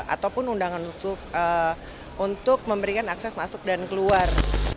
ataupun undangan untuk memberikan akses masuk dan keluar